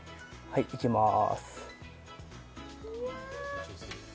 はい、行きます。